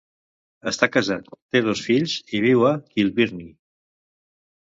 Està casat, té dos fills i viu a Kilbirnie.